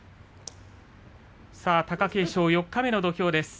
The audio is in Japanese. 貴景勝、四日目の土俵です。